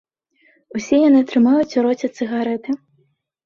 Усе яны трымаюць у роце цыгарэты.